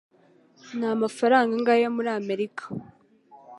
Ni amafaranga angahe yo muri Amerika